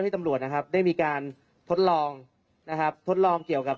ทดลองนะครับทดลองเกี่ยวกับ